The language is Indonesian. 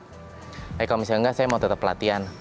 tapi kalau misalnya nggak saya mau tetap pelatihan